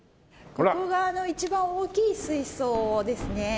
ここが一番大きい水槽ですね。